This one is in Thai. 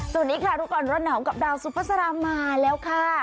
สวัสดีค่ะทุกคนรถหนัวกับดาวสุภาษามาแล้วค่ะ